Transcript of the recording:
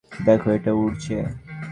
দেখো এটা উড়ছে!